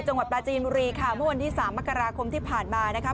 จังหวัดปลาจีนบุรีค่ะเมื่อวันที่สามอักการาคมที่ผ่านมานะครับ